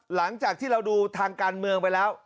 หลังจากที่เราดูทางการเมืองไปแล้ว